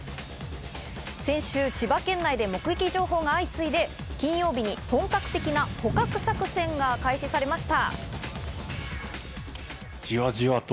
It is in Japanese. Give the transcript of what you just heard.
先週、千葉県内で目撃情報が相次いで、金曜日に本格的な捕獲作戦が開始されました。